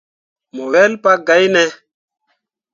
Mo wel pa gai ne.